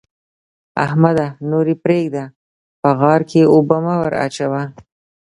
احمده! نور يې پرېږده؛ په غار کې اوبه مه وراچوه.